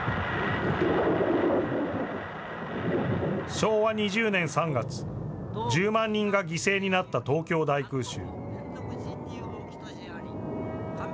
昭和２０年３月、１０万人が犠牲になった東京大空襲。